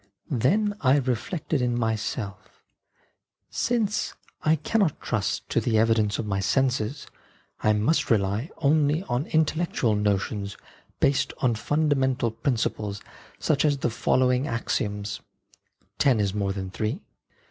Then I reflected in myself :" Since I cannot trust to the evidence of my senses, I must rely only on intellectual notions based on fundamental principles, such as the following axioms :' Ten is more than three.